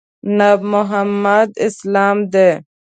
ناب محمدي اسلام دی.